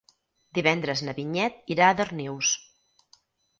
Divendres na Vinyet irà a Darnius.